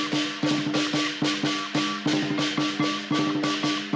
baru mulai juga